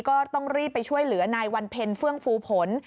ก็ต้องรีบไปช่วยเหลือนายวันเพ็ญเฟื่องฟูผล